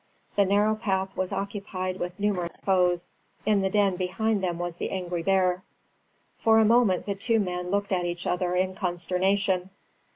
The narrow path was occupied with numerous foes. In the den behind them was the angry bear. For a moment the two men looked at each other in consternation.